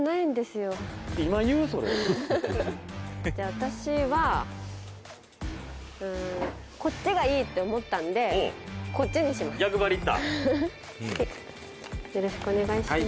「私はこっちがいいって思ったのでこっちにします」